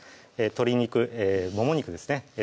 鶏肉もも肉ですね